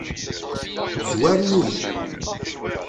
Zwaren-iyi.